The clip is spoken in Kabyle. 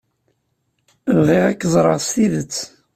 Bɣiɣ ad k-ẓreɣ s tidet.